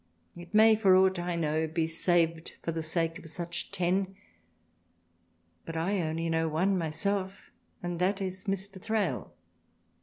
It may for aught I know, ^ V be saved for the sake of such Ten, but I only know One myself and that is Mr. Thrale.